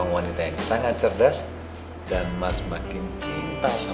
untuk ngebuktiin ya